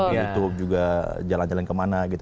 youtube juga jalan jalan kemana gitu